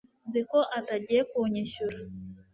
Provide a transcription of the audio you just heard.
Nzi ko atagiye kunyishyura